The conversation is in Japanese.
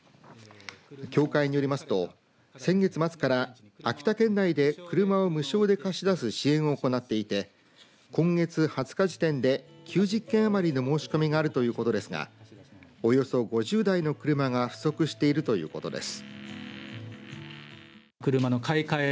協会によりますと先月末から秋田県内で車を無償で貸し出す支援を行っていて今月２０日時点で９０件余りの申し込みがあるということですがおよそ５０台の車が不足しているということです。